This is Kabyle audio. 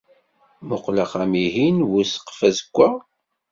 Muqel axxam-ihin bu ssqef azeggaɣ.